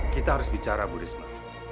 kita harus bicara bu risma